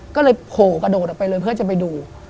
ก็เลยโผล่กระโดดออกไปเลยเพื่อจะไปดู